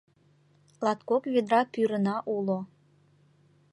Латкок ведра пӱрына уло.